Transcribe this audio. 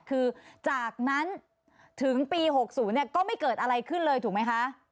คือจากนั้นถึงปี๖๐ก็ไม่เกิดอะไรขึ้นเลยถูกไหมคะ